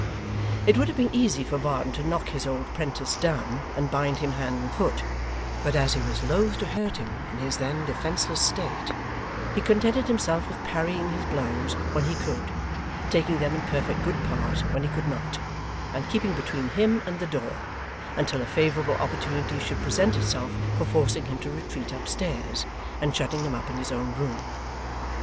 It would have been easy for Varden to knock his old 'prentice down, and bind him hand and foot; but as he was loth to hurt him in his then defenceless state, he contented himself with parrying his blows when he could, taking them in perfect good part when he could not, and keeping between him and the door, until a favourable opportunity should present itself for forcing him to retreat up stairs, and shutting him up in his own room.